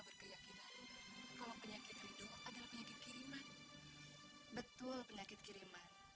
berkeyakinan kalau penyakit hidung adalah penyakit kiriman betul penyakit kiriman